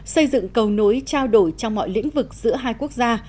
xây dựng cầu nối trao đổi trong mọi lĩnh vực giữa hai quốc gia